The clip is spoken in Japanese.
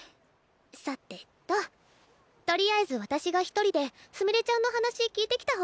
さてととりあえず私が一人ですみれちゃんの話聞いてきた方がいいよね。